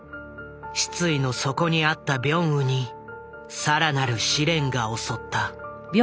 失意の底にあったビョンウに更なる試練が襲った。